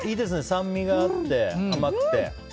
酸味があって甘くて。